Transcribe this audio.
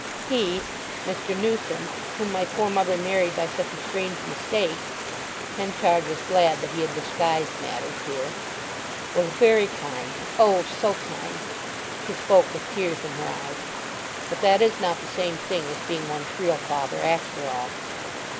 He—Mr. Newson—whom my poor mother married by such a strange mistake" (Henchard was glad that he had disguised matters here), "was very kind—O so kind!" (she spoke with tears in her eyes); "but that is not the same thing as being one's real father after all.